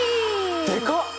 でかっ！